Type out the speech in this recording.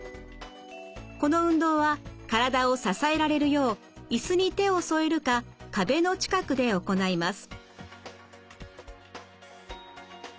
この運動は体を支えられるよう椅子に手を添えるか壁の近くで行います。